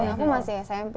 aku masih smp